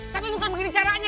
tapi bukan begini caranya